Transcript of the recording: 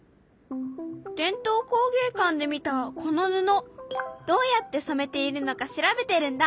伝統工芸館で見たこの布どうやってそめているのか調べてるんだ。